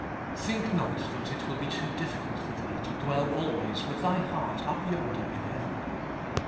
1. Think not that It will be too difficult for thee to dwell always with thy heart up yonder in heaven.